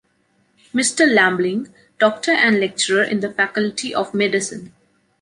Mister Lambling, doctor and lecturer in the Faculty of medicine.